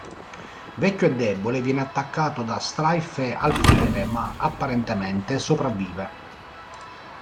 Vecchio e debole, viene attaccato da Stryfe e Alfiere, ma apparentemente sopravvive.